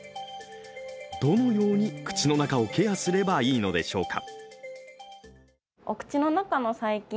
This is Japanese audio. どのように口の中をケアすればいいのでしょうか。